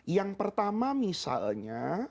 yang pertama misalnya